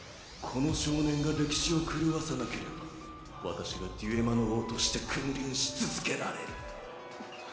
この少年が歴史を狂わさなければ私がデュエマの王として君臨し続けられる。